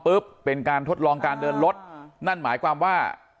เป็นการทดลองการเดินรถนั่นหมายความว่า